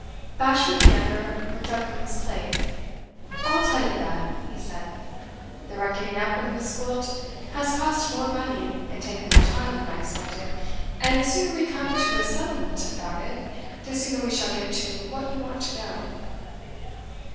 Bashwood the younger looked up from his plate. "I'll tell you that," he said. "The reckoning up of Miss Gwilt has cost more money and taken more time than I expected; and the sooner we come to a settlement about it, the sooner we shall get to what you want to know."